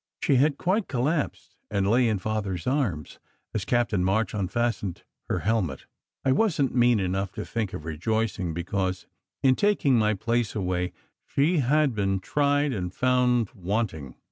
She had quite collapsed, and lay in Father s arms as Captain March unfastened her helmet. I wasn t mean enough to think of rejoicing because, in taking my place away, she had been tried and found want ing.